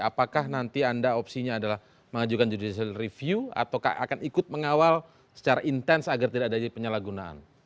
apakah nanti anda opsinya adalah mengajukan judicial review atau akan ikut mengawal secara intens agar tidak ada penyalahgunaan